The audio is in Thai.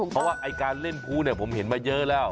เพราะว่าการเล่นภูผมเห็นมาเยอะแล้ว